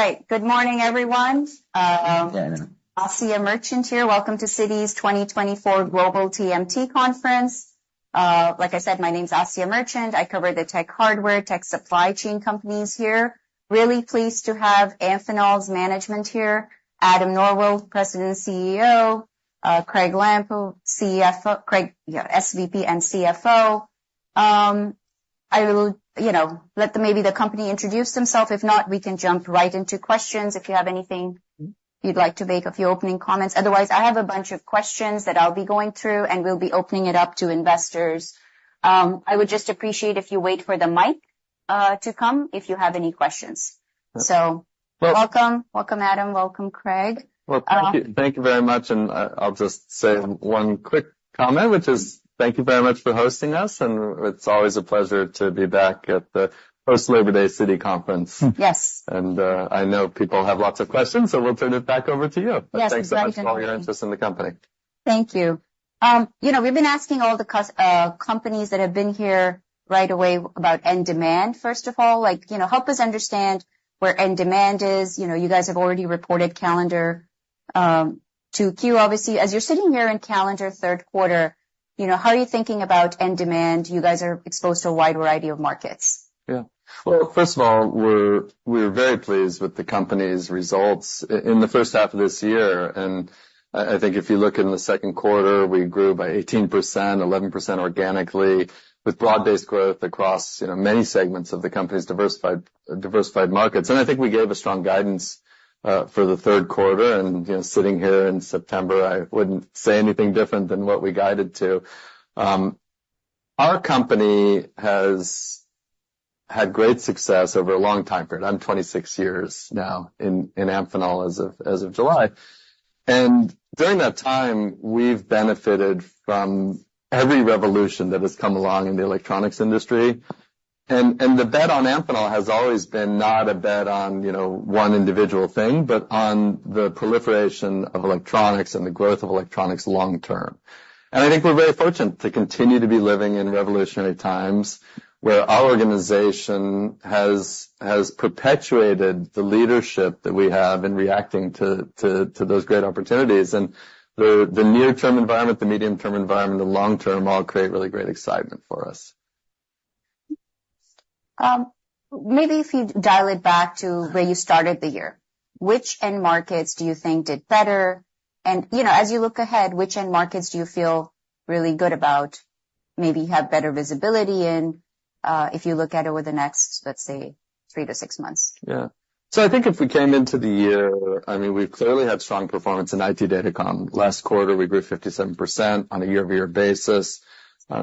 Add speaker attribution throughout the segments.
Speaker 1: All right. Good morning, everyone. Asiya Merchant here. Welcome to Citi's twenty twenty-four Global TMT Conference. Like I said, my name is Asiya Merchant. I cover the tech hardware, tech supply chain companies here. Really pleased to have Amphenol's management here, Adam Norwitt, President and CEO, Craig Lampo, CFO, SVP and CFO. I will, you know, let maybe the company introduce themselves. If not, we can jump right into questions, if you have anything you'd like to make a few opening comments. Otherwise, I have a bunch of questions that I'll be going through, and we'll be opening it up to investors. I would just appreciate if you wait for the mic to come, if you have any questions. So welcome. Welcome, Adam. Welcome, Craig.
Speaker 2: Thank you very much, and I'll just say one quick comment, which is thank you very much for hosting us, and it's always a pleasure to be back at the post-Labor Day Citi conference.
Speaker 1: Yes.
Speaker 2: I know people have lots of questions, so we'll turn it back over to you.
Speaker 1: Yes, thank you.
Speaker 2: Thanks so much for all your interest in the company.
Speaker 1: Thank you. You know, we've been asking all the companies that have been here right away about end demand. First of all, like, you know, help us understand where end demand is. You know, you guys have already reported calendar Q2, obviously. As you're sitting here in calendar third quarter, you know, how are you thinking about end demand? You guys are exposed to a wide variety of markets.
Speaker 2: Yeah. First of all, we're very pleased with the company's results in the first half of this year, and I think if you look in the second quarter, we grew by 18%, 11% organically, with broad-based growth across, you know, many segments of the company's diversified markets. I think we gave a strong guidance for the third quarter, and, you know, sitting here in September, I wouldn't say anything different than what we guided to. Our company has had great success over a long time period. I'm 26 years now in Amphenol as of July, and during that time, we've benefited from every revolution that has come along in the electronics industry. The bet on Amphenol has always been not a bet on, you know, one individual thing, but on the proliferation of electronics and the growth of electronics long term. I think we're very fortunate to continue to be living in revolutionary times, where our organization has perpetuated the leadership that we have in reacting to those great opportunities. The near-term environment, the medium-term environment, the long-term, all create really great excitement for us.
Speaker 1: Maybe if you dial it back to where you started the year, which end markets do you think did better? And, you know, as you look ahead, which end markets do you feel really good about, maybe have better visibility in, if you look at over the next, let's say, three to six months?
Speaker 2: Yeah. So I think if we came into the year, I mean, we've clearly had strong performance in IT Datacom. Last quarter, we grew 57% on a year-over-year basis.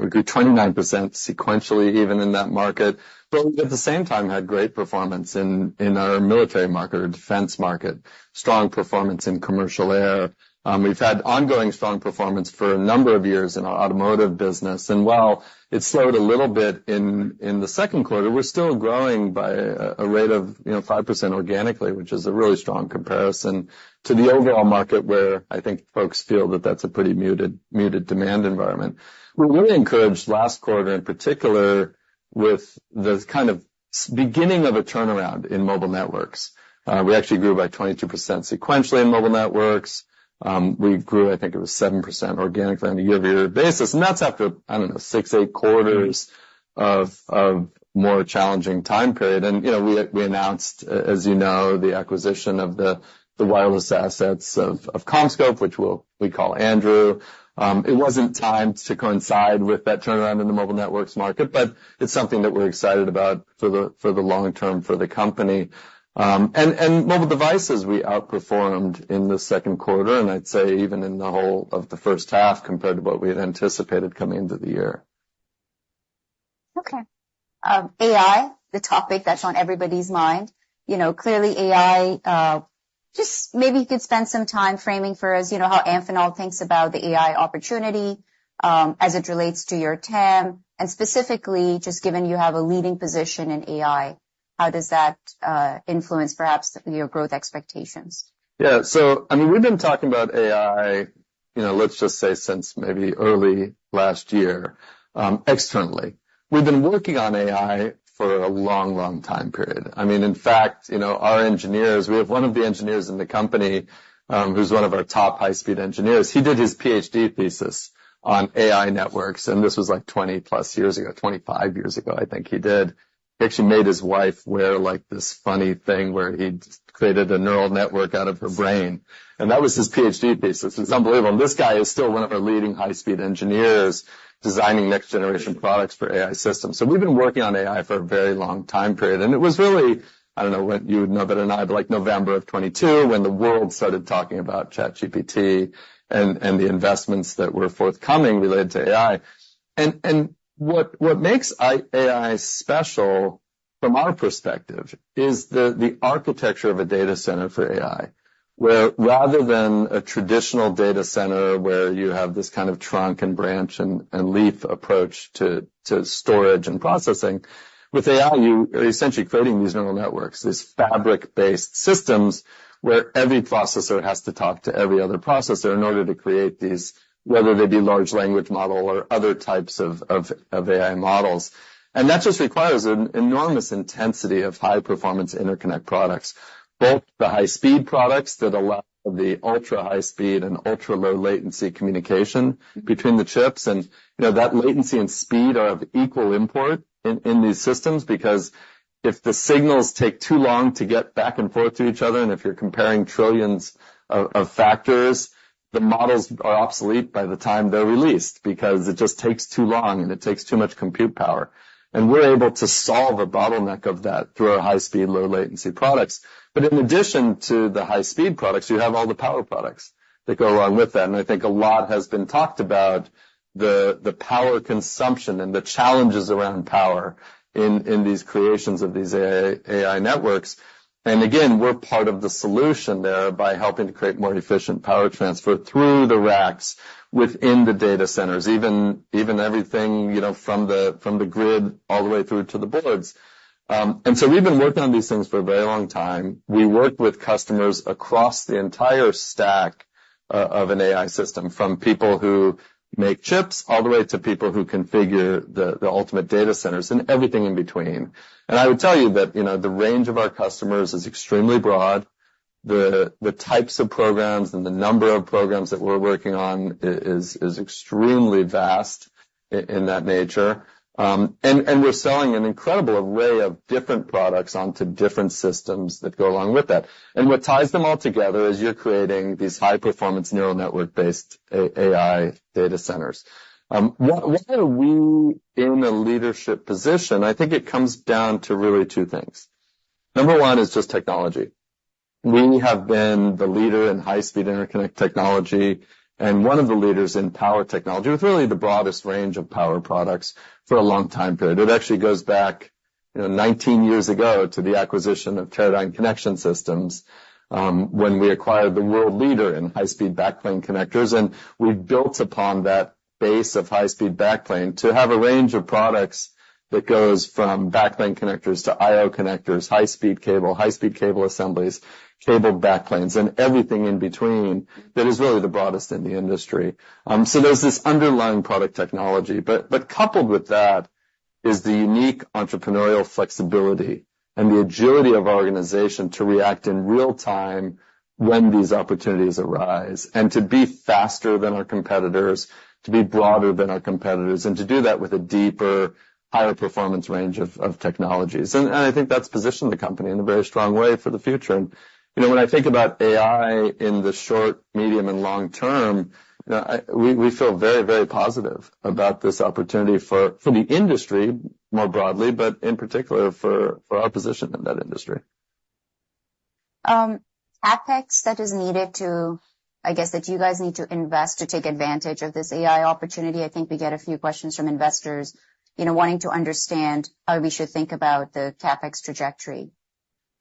Speaker 2: We grew 29% sequentially, even in that market, but at the same time, had great performance in our military market or defense market. Strong performance in commercial air. We've had ongoing strong performance for a number of years in our automotive business, and while it slowed a little bit in the second quarter, we're still growing by a rate of, you know, 5% organically, which is a really strong comparison to the overall market, where I think folks feel that that's a pretty muted demand environment. We're really encouraged` last quarter, in particular, with the kind of beginning of a turnaround in mobile networks. We actually grew by 22% sequentially in mobile networks. We grew, I think it was 7% organically on a year-over-year basis, and that's after, I don't know, six, eight quarters of more challenging time period. You know, we announced, as you know, the acquisition of the wireless assets of CommScope, which we call Andrew. It wasn't timed to coincide with that turnaround in the mobile networks market, but it's something that we're excited about for the long term for the company. And mobile devices, we outperformed in the second quarter, and I'd say even in the whole of the first half, compared to what we had anticipated coming into the year.
Speaker 1: Okay. AI, the topic that's on everybody's mind. You know, clearly AI, just maybe you could spend some time framing for us, you know, how Amphenol thinks about the AI opportunity, as it relates to your TAM, and specifically, just given you have a leading position in AI, how does that, influence perhaps your growth expectations?
Speaker 2: Yeah. So, I mean, we've been talking about AI, you know, let's just say, since maybe early last year, externally. We've been working on AI for a long, long time period. I mean, in fact, you know, our engineers, we have one of the engineers in the company, who's one of our top high-speed engineers. He did his PhD thesis on AI networks, and this was, like, twenty-plus years ago, twenty-five years ago, I think he did. He actually made his wife wear, like, this funny thing, where he'd created a neural network out of her brain, and that was his PhD thesis. It's unbelievable. This guy is still one of our leading high-speed engineers, designing next-generation products for AI systems. So we've been working on AI for a very long time period, and it was really, I don't know, what you would know better than I, but like November of 2022, when the world started talking about ChatGPT and the investments that were forthcoming related to AI. And what makes AI special from our perspective is the architecture of a data center for AI, where rather than a traditional data center, where you have this kind of trunk and branch and leaf approach to storage and processing, with AI, you are essentially creating these neural networks, these fabric-based systems, where every processor has to talk to every other processor in order to create these, whether they be large language model or other types of AI models. And that just requires an enormous intensity of high-performance interconnect products, both the high-speed products that allow the ultra-high speed and ultra-low latency communication between the chips. And, you know, that latency and speed are of equal import in these systems, because if the signals take too long to get back and forth to each other, and if you're comparing trillions of factors, the models are obsolete by the time they're released, because it just takes too long, and it takes too much compute power. And we're able to solve a bottleneck of that through our high-speed, low-latency products. But in addition to the high-speed products, you have all the power products that go along with that. And I think a lot has been talked about the power consumption and the challenges around power in these creations of these AI networks. And again, we're part of the solution there by helping to create more efficient power transfer through the racks within the data centers, even everything, you know, from the grid all the way through to the boards. And so we've been working on these things for a very long time. We work with customers across the entire stack of an AI system, from people who make chips, all the way to people who configure the ultimate data centers and everything in between. And I would tell you that, you know, the range of our customers is extremely broad. The types of programs and the number of programs that we're working on is extremely vast in that nature. And we're selling an incredible array of different products onto different systems that go along with that. What ties them all together is you're creating these high-performance neural network-based AI data centers. Why are we in a leadership position? I think it comes down to really two things. Number one is just technology. We have been the leader in high-speed interconnect technology and one of the leaders in power technology, with really the broadest range of power products, for a long time period. It actually goes back, you know, nineteen years ago to the acquisition of Teradyne Connection Systems, when we acquired the world leader in high-speed backplane connectors, and we've built upon that base of high-speed backplane to have a range of products that goes from backplane connectors to I/O connectors, high-speed cable, high-speed cable assemblies, cabled backplanes, and everything in between, that is really the broadest in the industry. So, there's this underlying product technology, but coupled with that is the unique entrepreneurial flexibility and the agility of our organization to react in real time when these opportunities arise, and to be faster than our competitors, to be broader than our competitors, and to do that with a deeper, higher performance range of technologies. And I think that's positioned the company in a very strong way for the future. And, you know, when I think about AI in the short, medium, and long term, we feel very positive about this opportunity for the industry more broadly, but in particular, for our position in that industry.
Speaker 1: CapEx that is needed to... I guess, that you guys need to invest to take advantage of this AI opportunity. I think we get a few questions from investors, you know, wanting to understand how we should think about the CapEx trajectory.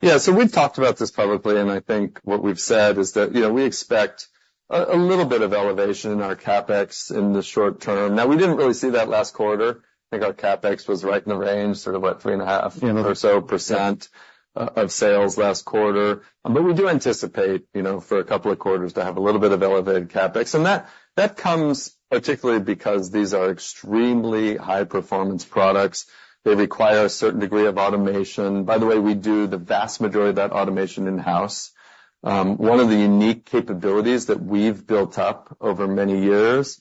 Speaker 2: Yeah, so we've talked about this publicly, and I think what we've said is that, you know, we expect a little bit of elevation in our CapEx in the short term. Now, we didn't really see that last quarter. I think our CapEx was right in the range, sort of about three and a half or so % of sales last quarter. But we do anticipate, you know, for a couple of quarters to have a little bit of elevated CapEx. And that comes particularly because these are extremely high-performance products. They require a certain degree of automation. By the way, we do the vast majority of that automation in-house. One of the unique capabilities that we've built up over many years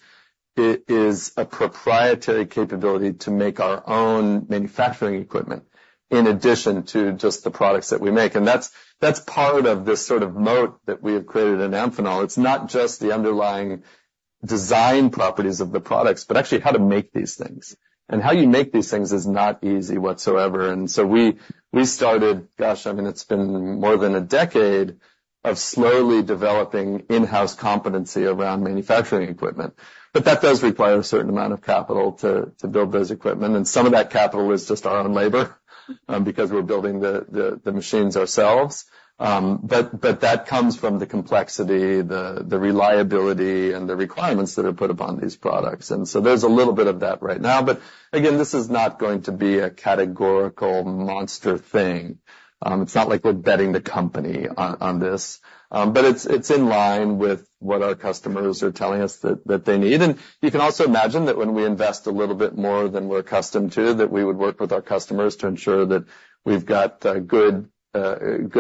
Speaker 2: is a proprietary capability to make our own manufacturing equipment, in addition to just the products that we make. That's part of this sort of moat that we have created in Amphenol. It's not just the underlying design properties of the products, but actually how to make these things. How you make these things is not easy whatsoever. We started, gosh, I mean, it's been more than a decade of slowly developing in-house competency around manufacturing equipment. That does require a certain amount of capital to build those equipment, and some of that capital is just our own labor, because we're building the machines ourselves. That comes from the complexity, the reliability, and the requirements that are put upon these products. There's a little bit of that right now, but again, this is not going to be a categorical monster thing. It's not like we're betting the company on this. But it's in line with what our customers are telling us that they need. And you can also imagine that when we invest a little bit more than we're accustomed to, that we would work with our customers to ensure that we've got good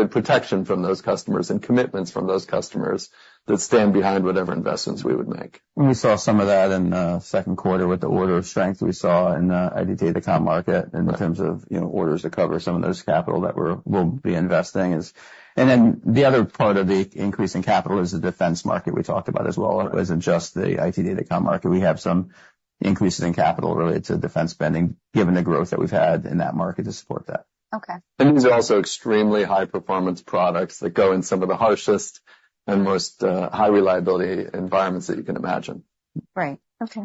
Speaker 2: protection from those customers and commitments from those customers, that stand behind whatever investments we would make.
Speaker 3: We saw some of that in second quarter with the order strength we saw in IT and Datacom market in terms of, you know, orders to cover some of those capital that we'll be investing. And then the other part of the increase in capital is the defense market we talked about as well. It wasn't just the IT and Datacom market. We have some increases in capital related to defense spending, given the growth that we've had in that market to support that.
Speaker 1: Okay.
Speaker 2: These are also extremely high-performance products that go in some of the harshest and most high-reliability environments that you can imagine....
Speaker 1: Right. Okay,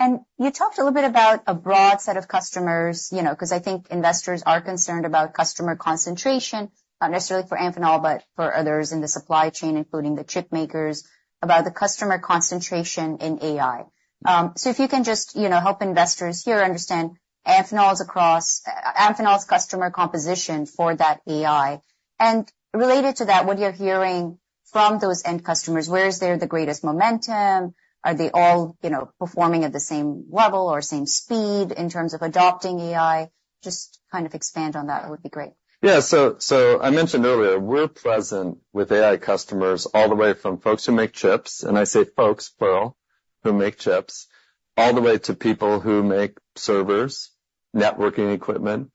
Speaker 1: and you talked a little bit about a broad set of customers, you know, 'cause I think investors are concerned about customer concentration, not necessarily for Amphenol, but for others in the supply chain, including the chip makers, about the customer concentration in AI. So if you can just, you know, help investors here understand Amphenol's customer composition for that AI. And related to that, what you're hearing from those end customers, where is there the greatest momentum? Are they all, you know, performing at the same level or same speed in terms of adopting AI? Just kind of expand on that, it would be great.
Speaker 2: Yeah. So I mentioned earlier, we're present with AI customers all the way from folks who make chips, and I say folks, plural, who make chips, all the way to people who make servers, networking equipment,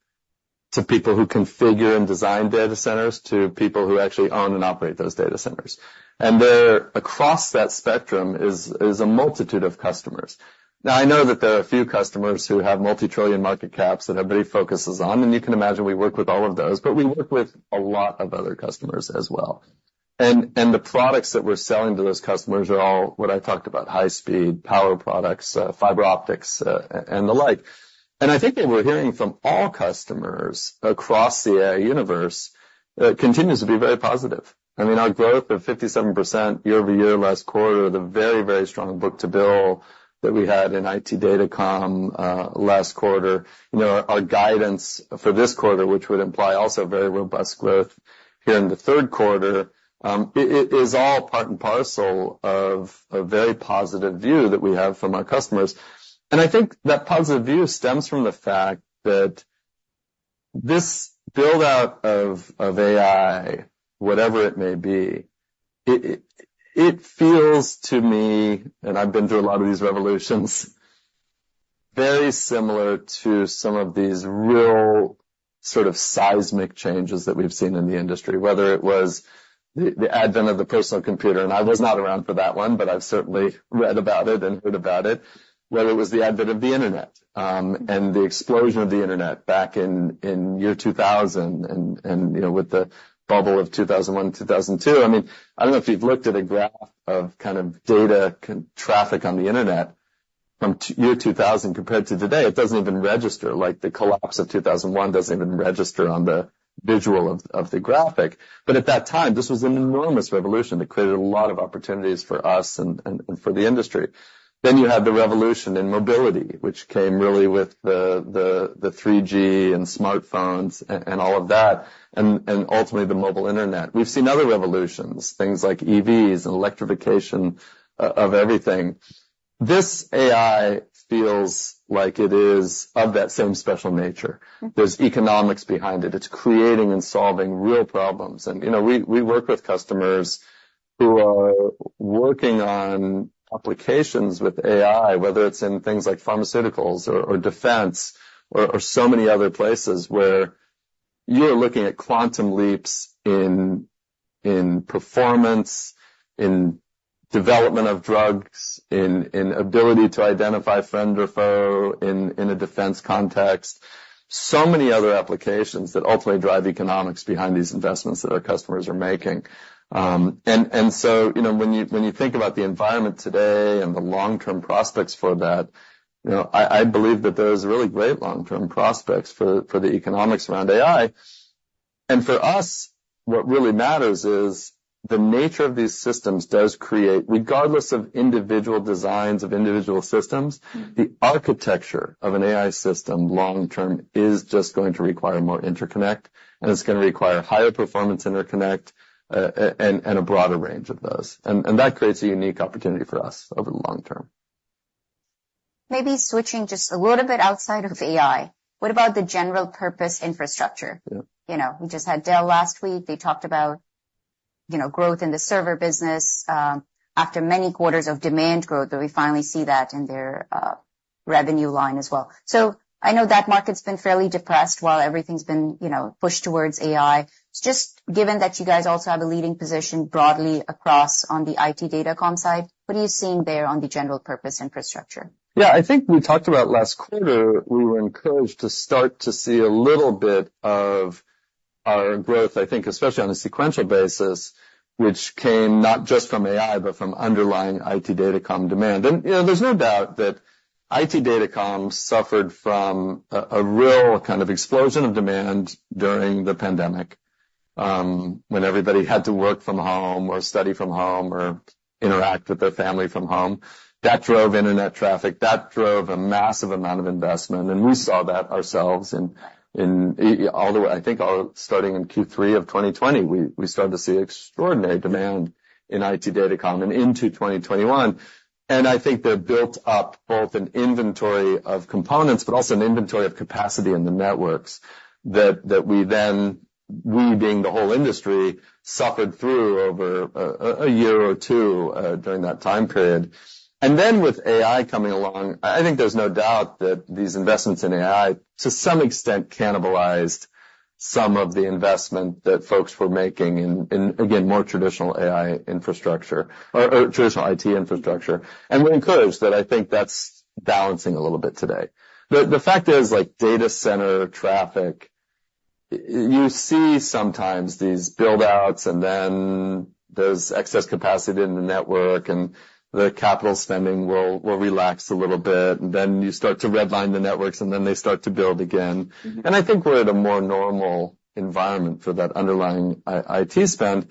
Speaker 2: to people who configure and design data centers, to people who actually own and operate those data centers. And there, across that spectrum, is a multitude of customers. Now, I know that there are a few customers who have multi-trillion market caps that everybody focuses on, and you can imagine we work with all of those, but we work with a lot of other customers as well. And the products that we're selling to those customers are all what I talked about, high speed, power products, fiber optics, and the like. And I think that we're hearing from all customers across the AI universe continues to be very positive. I mean, our growth of 57% year-over-year last quarter with a very, very strong book-to-bill that we had in IT and Datacom last quarter. You know, our guidance for this quarter, which would imply also very robust growth here in the third quarter, it feels to me, and I've been through a lot of these revolutions, very similar to some of these real sort of seismic changes that we've seen in the industry. Whether it was the advent of the personal computer, and I was not around for that one, but I've certainly read about it and heard about it. Whether it was the advent of the internet, and the explosion of the internet back in year 2000 and, you know, with the bubble of 2001, 2002. I mean, I don't know if you've looked at a graph of kind of data traffic on the internet from year 2000 compared to today, it doesn't even register, like the collapse of 2001 doesn't even register on the visual of the graphic, but at that time, this was an enormous revolution that created a lot of opportunities for us and for the industry. Then you had the revolution in mobility, which came really with the 3G and smartphones and all of that, and ultimately, the mobile internet. We've seen other revolutions, things like EVs and electrification of everything. This AI feels like it is of that same special nature.
Speaker 1: Mm-hmm.
Speaker 2: There's economics behind it. It's creating and solving real problems. And, you know, we work with customers who are working on applications with AI, whether it's in things like pharmaceuticals or defense, or so many other places, where you're looking at quantum leaps in performance, in development of drugs, in ability to identify friend or foe, in a defense context. So many other applications that ultimately drive economics behind these investments that our customers are making. And so, you know, when you think about the environment today and the long-term prospects for that, you know, I believe that there's really great long-term prospects for the economics around AI. And for us, what really matters is the nature of these systems does create, regardless of individual designs of individual systems-
Speaker 1: Mm.
Speaker 2: The architecture of an AI system, long term, is just going to require more interconnect, and it's gonna require higher performance interconnect, and a broader range of those. And that creates a unique opportunity for us over the long term.
Speaker 1: Maybe switching just a little bit outside of AI, what about the general purpose infrastructure?
Speaker 2: Yeah.
Speaker 1: You know, we just had Dell last week. They talked about, you know, growth in the server business after many quarters of demand growth, that we finally see that in their revenue line as well. So I know that market's been fairly depressed while everything's been, you know, pushed towards AI. Just given that you guys also have a leading position broadly across on the IT and Datacom side, what are you seeing there on the general purpose infrastructure?
Speaker 2: Yeah, I think we talked about last quarter. We were encouraged to start to see a little bit of our growth, I think, especially on a sequential basis, which came not just from AI, but from underlying IT and Datacom demand, and you know, there's no doubt that IT and Datacom suffered from a real kind of explosion of demand during the pandemic, when everybody had to work from home or study from home or interact with their family from home. That drove internet traffic, that drove a massive amount of investment, and we saw that ourselves in I think starting in Q3 of 2020, we started to see extraordinary demand in IT and Datacom and into 2021. and I think they've built up both an inventory of components, but also an inventory of capacity in the networks that we then, we being the whole industry, suffered through over a year or two during that time period and then, with AI coming along, I think there's no doubt that these investments in AI, to some extent, cannibalized some of the investment that folks were making in, again, more traditional AI infrastructure or traditional IT infrastructure, and we're encouraged that I think that's balancing a little bit today. The fact is, like, data center traffic. You see sometimes these build-outs, and then there's excess capacity in the network, and the capital spending will relax a little bit, and then you start to redline the networks, and then they start to build again. And I think we're at a more normal environment for that underlying IT spend.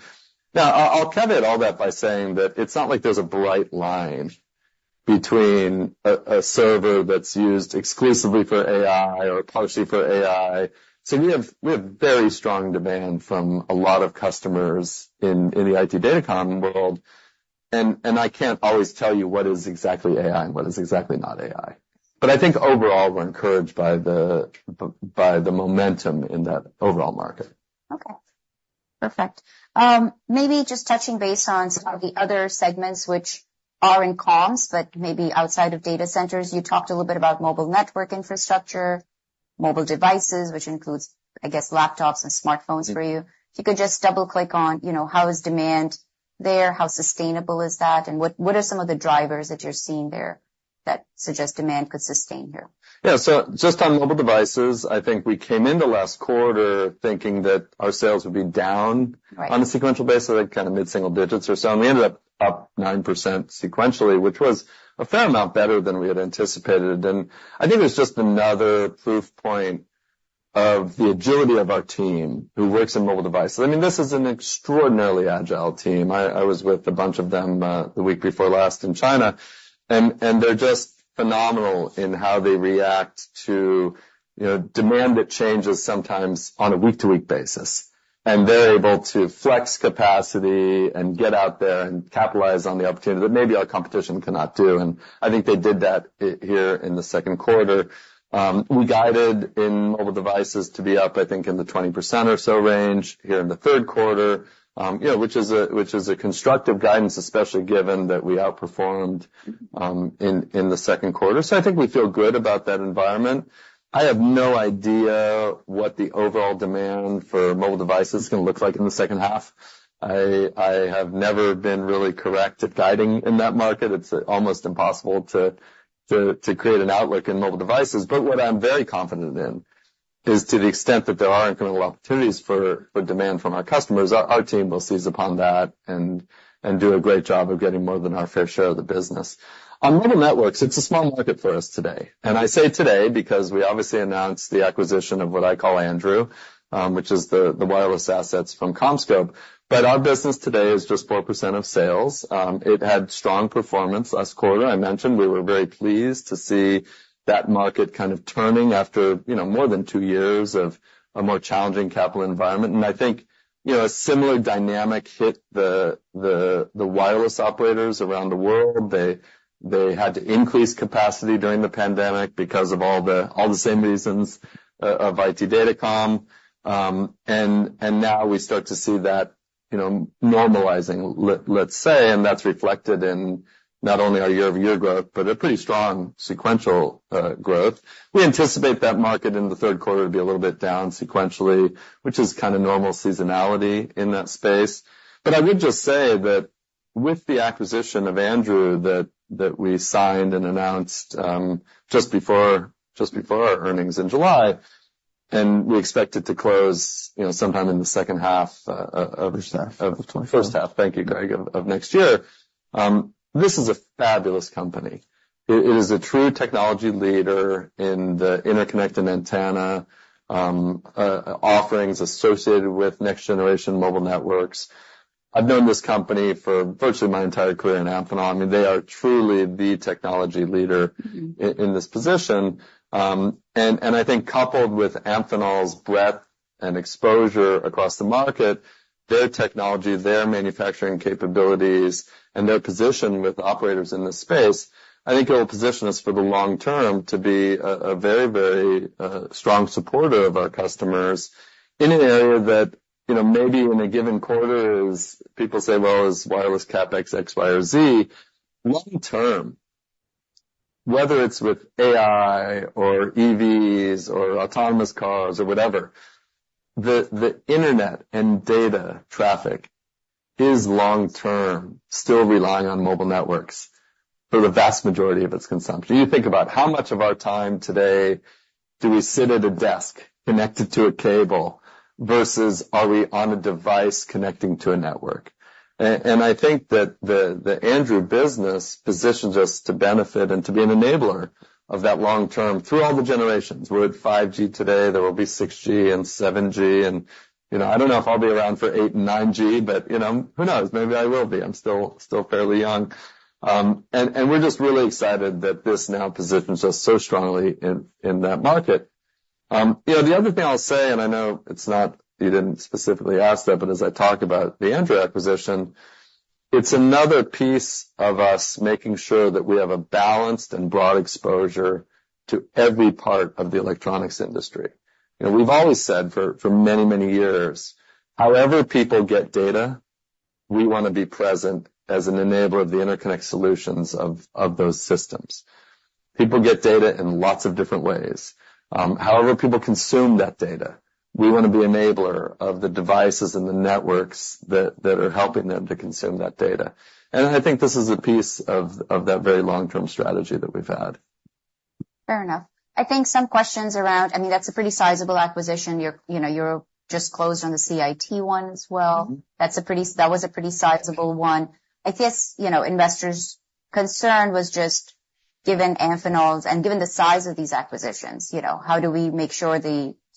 Speaker 2: Now, I'll caveat all that by saying that it's not like there's a bright line between a server that's used exclusively for AI or partially for AI. So we have very strong demand from a lot of customers in the IT and Datacom world, and I can't always tell you what is exactly AI and what is exactly not AI. But I think overall, we're encouraged by the by the momentum in that overall market.
Speaker 1: Okay, perfect. Maybe just touching base on some of the other segments which are in comms, but maybe outside of data centers, you talked a little bit about mobile network infrastructure, mobile devices, which includes, I guess, laptops and smartphones for you. If you could just double-click on, you know, how is demand there? How sustainable is that, and what are some of the drivers that you're seeing there that suggest demand could sustain here?
Speaker 2: Yeah. So just on mobile devices, I think we came into last quarter thinking that our sales would be down-
Speaker 1: Right.
Speaker 2: On a sequential basis, so like kind of mid-single digits or so, and we ended up up 9% sequentially, which was a fair amount better than we had anticipated. And I think it's just another proof point of the agility of our team who works in mobile devices. I mean, this is an extraordinarily agile team. I was with a bunch of them the week before last in China, and they're just phenomenal in how they react to, you know, demand that changes sometimes on a week-to-week basis. And they're able to flex capacity and get out there and capitalize on the opportunity that maybe our competition cannot do, and I think they did that here in the second quarter. We guided in mobile devices to be up, I think, in the 20% or so range here in the third quarter, you know, which is a constructive guidance, especially given that we outperformed in the second quarter. So I think we feel good about that environment. I have no idea what the overall demand for mobile devices is gonna look like in the second half. I have never been really correct at guiding in that market. It's almost impossible to create an outlook in mobile devices. But what I'm very confident in is to the extent that there are incremental opportunities for demand from our customers, our team will seize upon that and do a great job of getting more than our fair share of the business. On mobile networks, it's a small market for us today, and I say today because we obviously announced the acquisition of what I call Andrew, which is the wireless assets from CommScope. But our business today is just 4% of sales. It had strong performance last quarter. I mentioned we were very pleased to see that market kind of turning after, you know, more than two years of a more challenging capital environment. And I think, you know, a similar dynamic hit the wireless operators around the world. They had to increase capacity during the pandemic because of all the same reasons of IT and Datacom. And now we start to see that, you know, normalizing, let's say, and that's reflected in not only our year-over-year growth, but a pretty strong sequential growth. We anticipate that market in the third quarter to be a little bit down sequentially, which is kind of normal seasonality in that space. But I would just say that with the acquisition of Andrew, that we signed and announced just before our earnings in July, and we expect it to close, you know, sometime in the second half of-
Speaker 3: First half of 2024.
Speaker 2: First half of next year. Thank you, Craig. This is a fabulous company. It is a true technology leader in the interconnect and antenna offerings associated with next-generation mobile networks. I've known this company for virtually my entire career in Amphenol. I mean, they are truly the technology leader-
Speaker 1: Mm-hmm.
Speaker 2: in this position. And I think coupled with Amphenol's breadth and exposure across the market, their technology, their manufacturing capabilities, and their position with operators in this space, I think it will position us for the long term to be a very, very strong supporter of our customers in an area that, you know, maybe in a given quarter, as people say, "Well, as wireless CapEx, X, Y, or Z," long term, whether it's with AI or EVs or autonomous cars or whatever, the internet and data traffic is long term, still relying on mobile networks for the vast majority of its consumption. You think about how much of our time today do we sit at a desk connected to a cable versus are we on a device connecting to a network? I think that the Andrew business positions us to benefit and to be an enabler of that long term through all the generations. We're at 5G today. There will be 6G and 7G, and you know, I don't know if I'll be around for 8 and 9G, but you know, who knows? Maybe I will be. I'm still fairly young. We're just really excited that this now positions us so strongly in that market. You know, the other thing I'll say, and I know it's not. You didn't specifically ask that, but as I talked about the Andrew acquisition, it's another piece of us making sure that we have a balanced and broad exposure to every part of the electronics industry. You know, we've always said for many, many years, however people get data, we wanna be present as an enabler of the interconnect solutions of those systems. People get data in lots of different ways. However people consume that data, we wanna be enabler of the devices and the networks that are helping them to consume that data, and I think this is a piece of that very long-term strategy that we've had....
Speaker 1: Fair enough. I think some questions around, I mean, that's a pretty sizable acquisition. You're, you know, you're just closed on the CIT one as well. That's a pretty. That was a pretty sizable one. I guess, you know, investors' concern was just given Amphenol's, and given the size of these acquisitions, you know, how do we make sure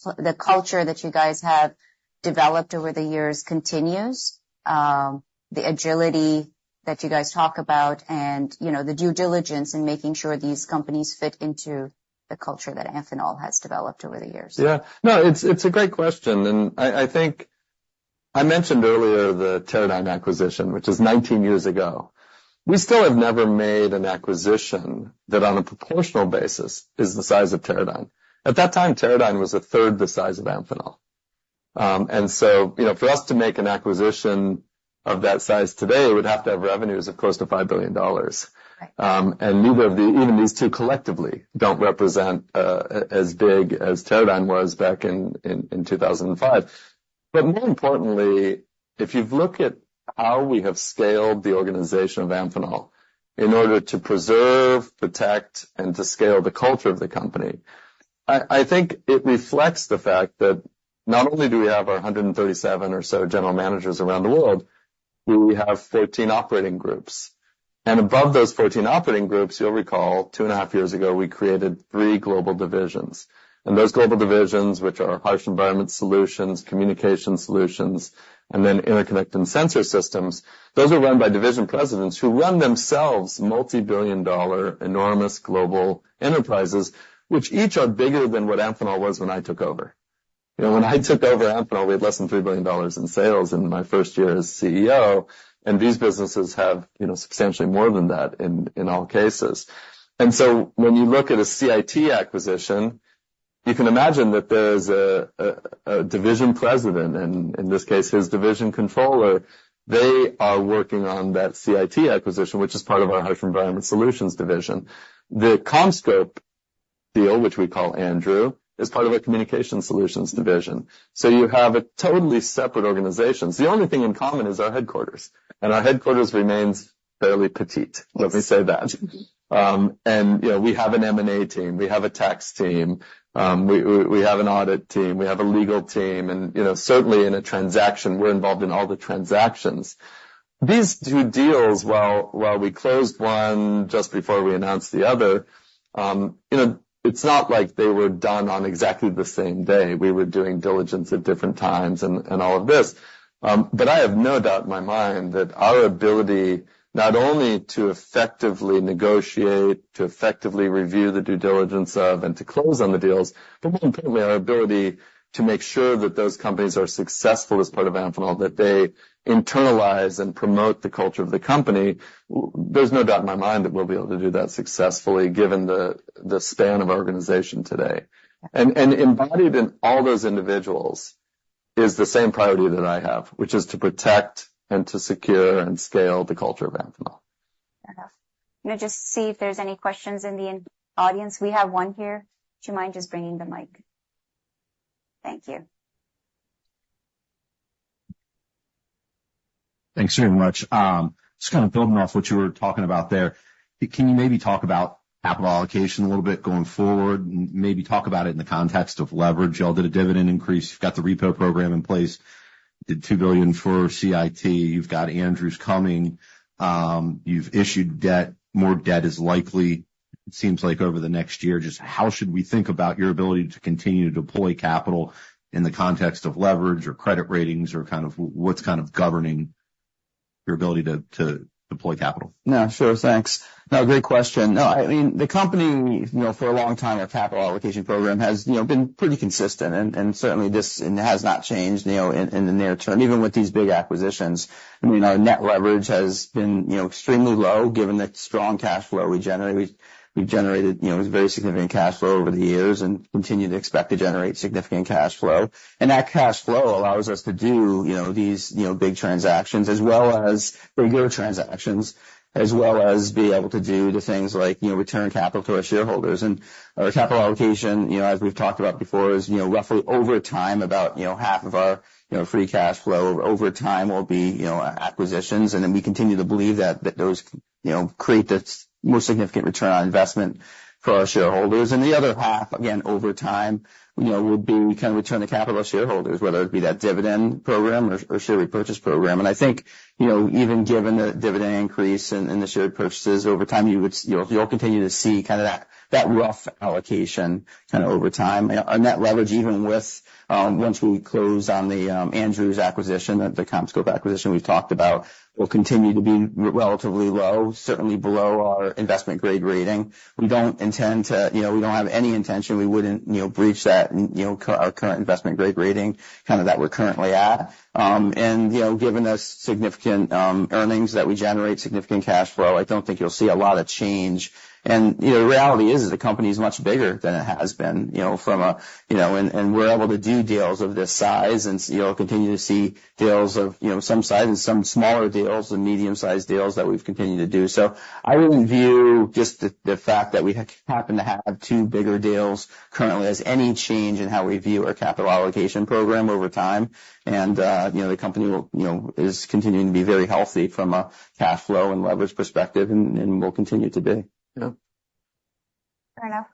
Speaker 1: the culture that you guys have developed over the years continues, the agility that you guys talk about, and, you know, the due diligence in making sure these companies fit into the culture that Amphenol has developed over the years?
Speaker 2: Yeah. No, it's a great question, and I think I mentioned earlier the Teradyne acquisition, which is nineteen years ago. We still have never made an acquisition that, on a proportional basis, is the size of Teradyne. At that time, Teradyne was a third the size of Amphenol. And so, you know, for us to make an acquisition of that size today, it would have to have revenues of close to $5 billion.
Speaker 1: Right.
Speaker 2: Neither of these two collectively don't represent as big as Teradyne was back in 2005. But more importantly, if you've looked at how we have scaled the organization of Amphenol in order to preserve, protect, and to scale the culture of the company, I think it reflects the fact that not only do we have our 137 or so general managers around the world, we have 13 operating groups. And above those 13 operating groups, you'll recall, two and a half years ago, we created three global divisions, and those global divisions, which are Harsh Environment Solutions, Communication Solutions, and then Interconnect and Sensor Systems, those are run by division presidents who run themselves multi-billion-dollar enormous global enterprises, which each are bigger than what Amphenol was when I took over. You know, when I took over Amphenol, we had less than $3 billion in sales in my first year as CEO, and these businesses have, you know, substantially more than that in all cases. And so when you look at a CIT acquisition, you can imagine that there's a division president, and in this case, his division controller, they are working on that CIT acquisition, which is part of our Harsh Environment Solutions division. The CommScope deal, which we call Andrew, is part of our Communications Solutions division. So you have totally separate organizations. The only thing in common is our headquarters, and our headquarters remains fairly petite, let me say that. And, you know, we have an M&A team, we have a tax team, we have an audit team, we have a legal team, and, you know, certainly in a transaction, we're involved in all the transactions. These two deals, while we closed one just before we announced the other, you know, it's not like they were done on exactly the same day. We were doing diligence at different times and all of this. But I have no doubt in my mind that our ability not only to effectively negotiate, to effectively review the due diligence of, and to close on the deals, but more importantly, our ability to make sure that those companies are successful as part of Amphenol, that they internalize and promote the culture of the company, there's no doubt in my mind that we'll be able to do that successfully, given the span of our organization today. And embodied in all those individuals is the same priority that I have, which is to protect and to secure and scale the culture of Amphenol.
Speaker 1: Fair enough. Let me just see if there's any questions in the audience. We have one here. Do you mind just bringing the mic? Thank you. Thanks very much. Just kind of building off what you were talking about there, can you maybe talk about capital allocation a little bit going forward? Maybe talk about it in the context of leverage. Y'all did a dividend increase, you've got the repo program in place, did $2 billion for CIT, you've got Andrew's coming, you've issued debt. More debt is likely, it seems like, over the next year. Just how should we think about your ability to continue to deploy capital in the context of leverage or credit ratings, or kind of, what's kind of governing your ability to deploy capital?
Speaker 3: No, sure. Thanks. Great question. I mean, the company, you know, for a long time, our capital allocation program has, you know, been pretty consistent, and certainly, this has not changed, you know, in the near term, even with these big acquisitions. I mean, our net leverage has been, you know, extremely low, given the strong cash flow we generate. We've generated, you know, very significant cash flow over the years and continue to expect to generate significant cash flow. And that cash flow allows us to do, you know, these, you know, big transactions, as well as regular transactions, as well as being able to do the things like, you know, return capital to our shareholders. And our capital allocation, you know, as we've talked about before, is, you know, roughly over time, about, you know, half of our, you know, free cash flow over time will be, you know, acquisitions. And then we continue to believe that those, you know, create the most significant return on investment for our shareholders. And the other half, again, over time, you know, will be kind of return to capital shareholders, whether it be that dividend program or share repurchase program. And I think, you know, even given the dividend increase in the share purchases over time, you'll continue to see kind of that rough allocation kind of over time. Our net leverage, even with, once we close on the, Andrew acquisition, the CommScope acquisition we've talked about, will continue to be relatively low, certainly below our investment grade rating. We don't intend to... You know, we don't have any intention, we wouldn't, you know, breach that, you know, our current investment grade rating, kind of, that we're currently at. And, you know, given the significant, earnings that we generate, significant cash flow, I don't think you'll see a lot of change. And, you know, the reality is, the company is much bigger than it has been, you know, from a, you know. And we're able to do deals of this size, and so you'll continue to see deals of, you know, some size and some smaller deals and medium-sized deals that we've continued to do. So I wouldn't view just the fact that we happen to have two bigger deals currently as any change in how we view our capital allocation program over time. And, you know, the company will, you know, is continuing to be very healthy from a cash flow and leverage perspective and will continue to be. Yeah....
Speaker 1: Fair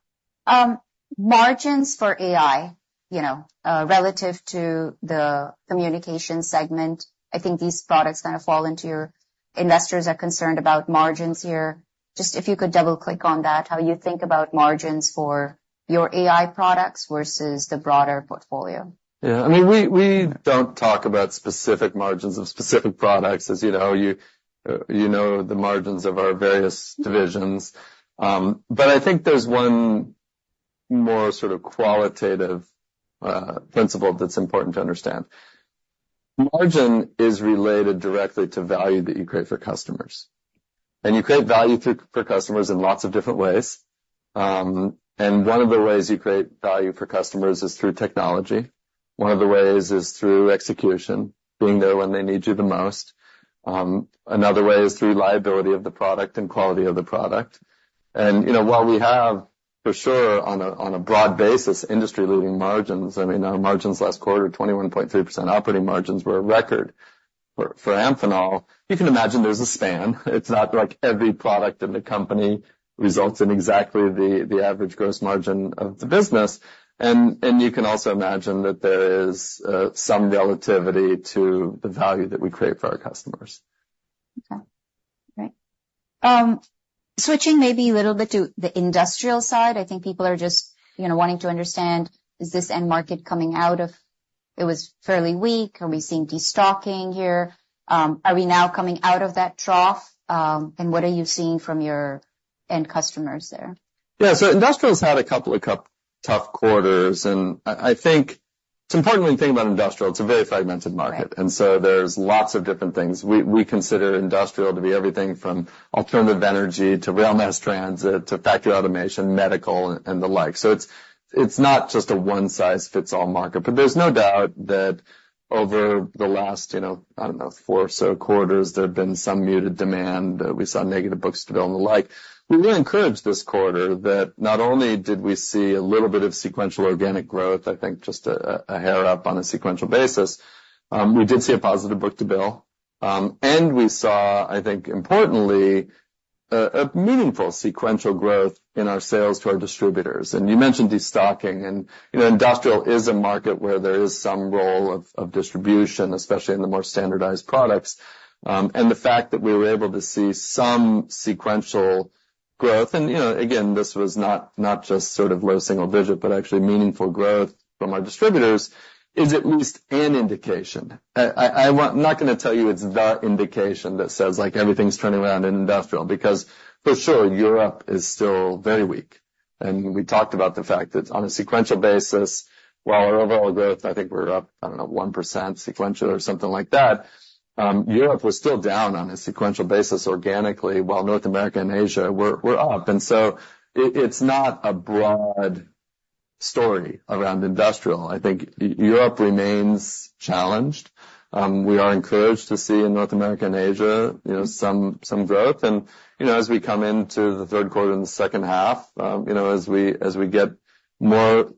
Speaker 1: enough. Margins for AI, you know, relative to the communication segment, I think these products kind of fall into your investors are concerned about margins here. Just if you could double-click on that, how you think about margins for your AI products versus the broader portfolio.
Speaker 2: Yeah. I mean, we don't talk about specific margins of specific products, as you know, you know the margins of our various divisions. But I think there's one more sort of qualitative principle that's important to understand. Margin is related directly to value that you create for customers, and you create value through for customers in lots of different ways. And one of the ways you create value for customers is through technology. One of the ways is through execution, being there when they need you the most. Another way is through reliability of the product and quality of the product. And, you know, while we have, for sure, on a broad basis, industry-leading margins, I mean, our margins last quarter, 21.3% operating margins, were a record. For Amphenol, you can imagine there's a span. It's not like every product in the company results in exactly the average gross margin of the business. And you can also imagine that there is some relativity to the value that we create for our customers.
Speaker 1: Okay. Great. Switching maybe a little bit to the industrial side, I think people are just, you know, wanting to understand, is this end market coming out of it. It was fairly weak. Are we seeing destocking here? Are we now coming out of that trough, and what are you seeing from your end customers there?
Speaker 2: Yeah. So industrial's had a couple of tough quarters, and I think it's important when you think about industrial, it's a very fragmented market.
Speaker 1: Right.
Speaker 2: There's lots of different things. We consider industrial to be everything from alternative energy to rail mass transit to factory automation, medical, and the like. It's not just a one-size-fits-all market, but there's no doubt that over the last, you know, I don't know, four or so quarters, there have been some muted demand. We saw negative book-to-bill and the like. We were encouraged this quarter that not only did we see a little bit of sequential organic growth, I think just a hair up on a sequential basis, we did see a positive book-to-bill. And we saw, I think importantly, a meaningful sequential growth in our sales to our distributors. You mentioned destocking, and, you know, industrial is a market where there is some role of distribution, especially in the more standardized products. And the fact that we were able to see some sequential growth, and, you know, again, this was not just sort of low single digit, but actually meaningful growth from our distributors, is at least an indication. I'm not gonna tell you it's the indication that says, like, everything's turning around in industrial, because for sure, Europe is still very weak. We talked about the fact that on a sequential basis, while our overall growth, I think we're up, I don't know, 1% sequential or something like that, Europe was still down on a sequential basis organically, while North America and Asia were up. And so it's not a broad story around industrial. I think Europe remains challenged. We are encouraged to see in North America and Asia, you know, some growth. And, you know, as we come into the third quarter and the second half, you know, as we get more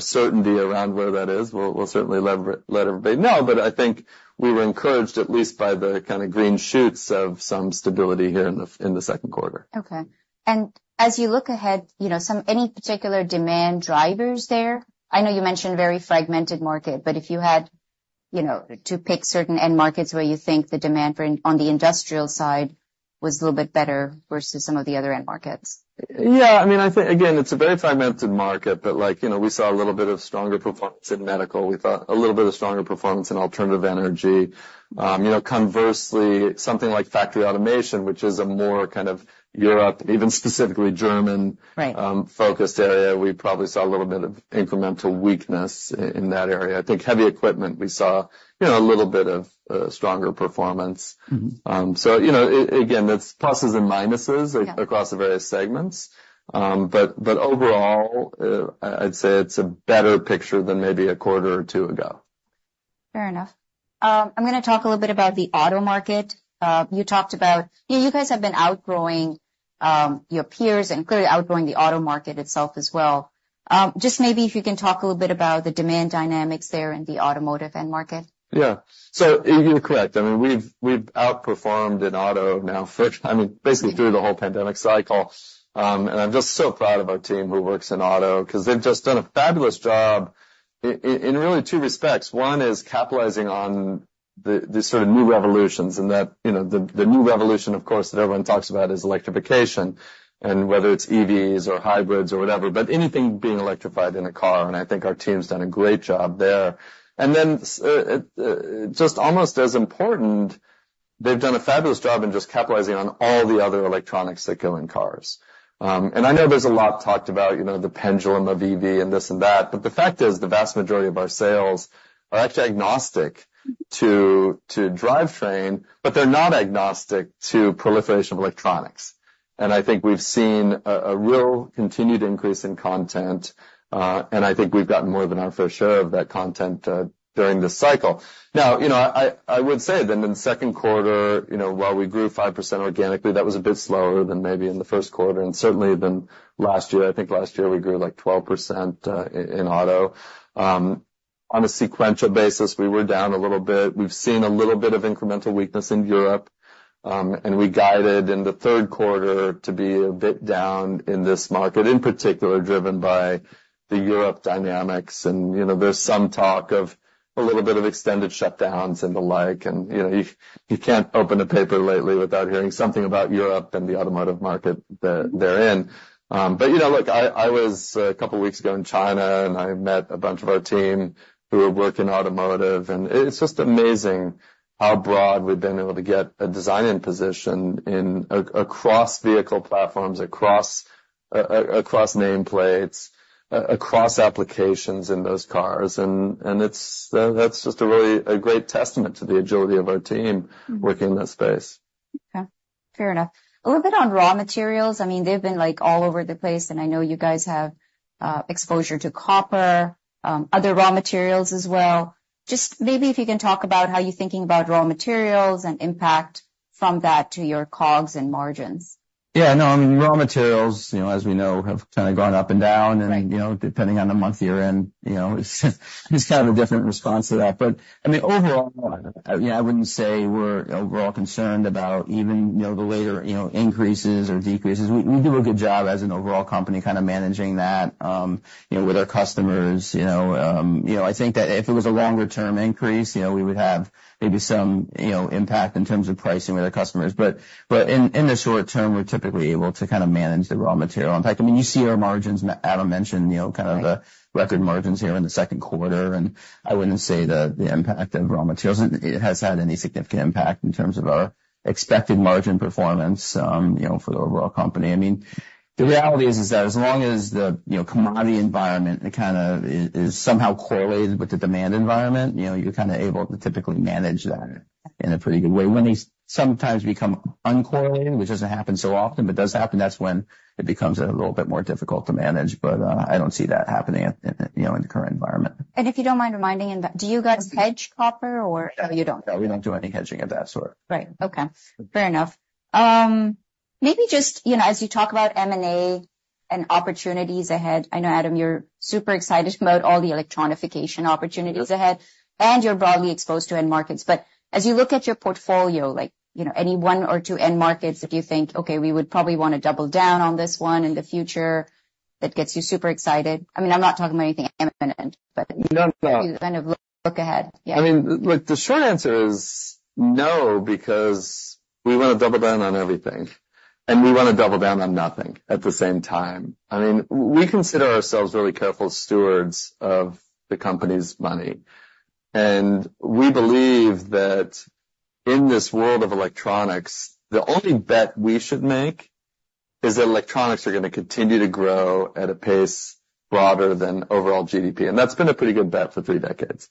Speaker 2: certainty around where that is, we'll certainly let everybody know. But I think we were encouraged, at least by the kind of green shoots of some stability here in the second quarter.
Speaker 1: Okay. And as you look ahead, you know, any particular demand drivers there? I know you mentioned very fragmented market, but if you had, you know, to pick certain end markets where you think the demand for, on the industrial side was a little bit better versus some of the other end markets?
Speaker 2: Yeah, I mean, I think, again, it's a very fragmented market, but like, you know, we saw a little bit of stronger performance in medical. We saw a little bit of stronger performance in alternative energy. You know, conversely, something like factory automation, which is a more kind of European, even specifically German-
Speaker 1: Right...
Speaker 2: focused area, we probably saw a little bit of incremental weakness in that area. I think heavy equipment, we saw, you know, a little bit of stronger performance.
Speaker 1: Mm-hmm.
Speaker 2: So you know, again, it's pluses and minuses.
Speaker 1: Yeah...
Speaker 2: across the various segments. But overall, I'd say it's a better picture than maybe a quarter or two ago.
Speaker 1: Fair enough. I'm gonna talk a little bit about the auto market. You talked about... you guys have been outgrowing your peers and clearly outgrowing the auto market itself as well. Just maybe if you can talk a little bit about the demand dynamics there in the automotive end market.
Speaker 2: Yeah. So you're correct. I mean, we've outperformed in auto now for, I mean, basically through the whole pandemic cycle. And I'm just so proud of our team who works in auto, 'cause they've just done a fabulous job in really two respects. One, is capitalizing on the sort of new revolutions and that, you know, the new revolution, of course, that everyone talks about is electrification, and whether it's EVs or hybrids or whatever, but anything being electrified in a car, and I think our team's done a great job there. And then, just almost as important, they've done a fabulous job in just capitalizing on all the other electronics that go in cars. And I know there's a lot talked about, you know, the pendulum of EV and this and that, but the fact is, the vast majority of our sales are actually agnostic to drivetrain, but they're not agnostic to proliferation of electronics. And I think we've seen a real continued increase in content, and I think we've gotten more than our fair share of that content during this cycle. Now, you know, I would say then in the second quarter, you know, while we grew 5% organically, that was a bit slower than maybe in the first quarter, and certainly than last year. I think last year we grew, like, 12% in auto. On a sequential basis, we were down a little bit. We've seen a little bit of incremental weakness in Europe, and we guided in the third quarter to be a bit down in this market, in particular, driven by the Europe dynamics. And, you know, there's some talk of a little bit of extended shutdowns and the like. And, you know, you can't open a paper lately without hearing something about Europe and the automotive market that they're in. But you know, look, I was a couple weeks ago in China, and I met a bunch of our team who work in automotive, and it's just amazing how broad we've been able to get a design-in position across vehicle platforms, across nameplates, across applications in those cars, and it's. That's just a really great testament to the agility of our team working in that space.
Speaker 1: Okay, fair enough. A little bit on raw materials. I mean, they've been, like, all over the place, and I know you guys have exposure to copper, other raw materials as well. Just maybe if you can talk about how you're thinking about raw materials and impact from that to your COGS and margins.
Speaker 3: Yeah, no, I mean, raw materials, you know, as we know, have kind of gone up and down-
Speaker 1: Right.
Speaker 3: And, you know, depending on the month you're in, you know, it's kind of a different response to that. But I mean, overall, you know, I wouldn't say we're overall concerned about even, you know, the later, you know, increases or decreases. We do a good job as an overall company, kind of managing that, you know, with our customers, you know. I think that if it was a longer term increase, you know, we would have maybe some, you know, impact in terms of pricing with our customers. But in the short term, we're typically able to kind of manage the raw material. In fact, I mean, you see our margins, and Adam mentioned, you know, kind of the record margins here in the second quarter, and I wouldn't say the impact of raw materials, it has had any significant impact in terms of our expected margin performance, you know, for the overall company. I mean, the reality is that as long as the, you know, commodity environment kind of is somehow correlated with the demand environment, you know, you're kind of able to typically manage that in a pretty good way. When they sometimes become uncorrelated, which doesn't happen so often, but does happen, that's when it becomes a little bit more difficult to manage. But, I don't see that happening, you know, in the current environment.
Speaker 1: And if you don't mind reminding me, do you guys hedge copper or-
Speaker 3: No.
Speaker 1: No, you don't.
Speaker 3: No, we don't do any hedging of that sort.
Speaker 1: Right. Okay, fair enough. Maybe just, you know, as you talk about M&A and opportunities ahead, I know, Adam, you're super excited about all the electronification opportunities ahead, and you're broadly exposed to end markets. But as you look at your portfolio, like, you know, any one or two end markets that you think, "Okay, we would probably wanna double down on this one in the future," that gets you super excited? I mean, I'm not talking about anything imminent, but-
Speaker 2: No.
Speaker 1: Kind of look ahead. Yeah.
Speaker 2: I mean, look, the short answer is no, because we wanna double down on everything, and we wanna double down on nothing at the same time. I mean, we consider ourselves really careful stewards of the company's money, and we believe that in this world of electronics, the only bet we should make is that electronics are gonna continue to grow at a pace broader than overall GDP, and that's been a pretty good bet for three decades,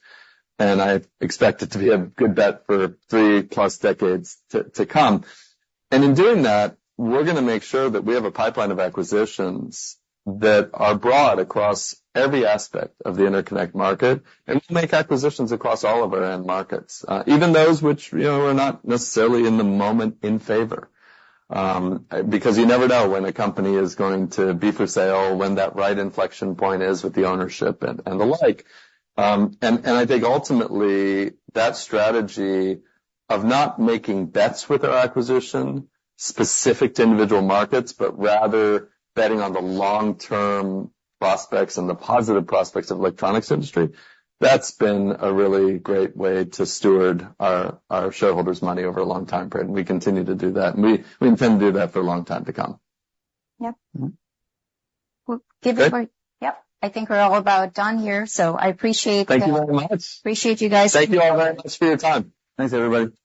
Speaker 2: and I expect it to be a good bet for three-plus decades to come. And in doing that, we're gonna make sure that we have a pipeline of acquisitions that are broad across every aspect of the interconnect market, and we make acquisitions across all of our end markets, even those which, you know, are not necessarily in the moment in favor, because you never know when a company is going to be for sale, when that right inflection point is with the ownership and the like. I think ultimately, that strategy of not making bets with our acquisition specific to individual markets, but rather betting on the long-term prospects and the positive prospects of electronics industry, that's been a really great way to steward our shareholders' money over a long time period. We continue to do that, and we intend to do that for a long time to come.
Speaker 1: Yep.
Speaker 2: Mm-hmm.
Speaker 1: Give or take-
Speaker 2: Good?
Speaker 1: Yep. I think we're all about done here, so I appreciate the-
Speaker 2: Thank you very much.
Speaker 1: Appreciate you guys.
Speaker 2: Thank you all very much for your time.
Speaker 3: Thanks, everybody.
Speaker 1: Thank you.